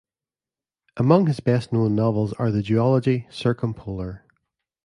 Among his best-known novels are the duology Circumpolar!